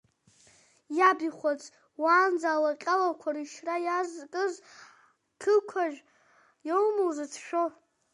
Иабихәац, уаанӡа алаҟьалақәа рышьра иазкыз Қықажә иоума узыцәшәо!